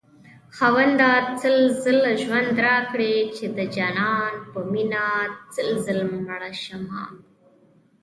خاونده سل ځله ژوند راكړې چې دجانان په مينه سل ځله مړشمه